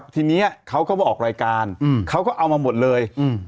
ทีนี้เขาก็มาออกรายการเขาก็เอามาหมดเลย